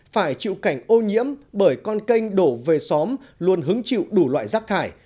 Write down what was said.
phải chịu cảnh ô nhiễm bởi con canh đổ về xóm luôn hứng chịu đủ loại rác thải